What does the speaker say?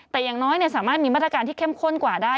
แต่อย่างน้อยสามารถมีมาตรการที่เข้มข้นกว่าได้